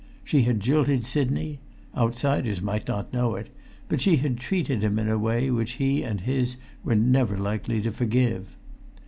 She had jilted Sidney; outsiders might not know it; but she had treated him in a way which he and his were never likely to forgive.